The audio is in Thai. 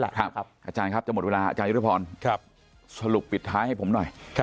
อาจารย์ครับจะหมดเวลาอาจารยุทธพรสรุปปิดท้ายให้ผมหน่อย